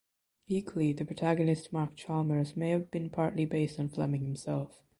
Equally the protagonist Mark Chalmers may have been partly based on Fleming himself.